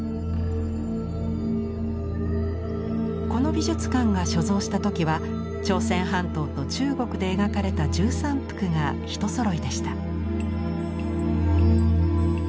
この美術館が所蔵した時は朝鮮半島と中国で描かれた１３幅が一そろいでした。